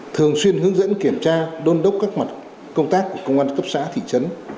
thường xuyên hướng dẫn kiểm tra đôn đốc các mặt công tác của công an cấp xã thị trấn